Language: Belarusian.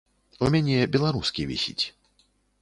У мяне беларускі вісіць.